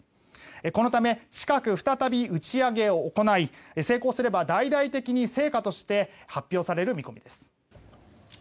このため近く再び打ち上げを行い成功すれば大々的に成果として発表される見込みです。